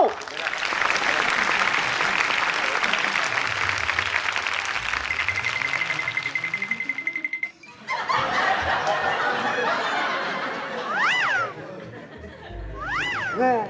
เป็นไง